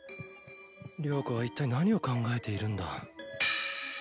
了子はいったい何を考えているんだ。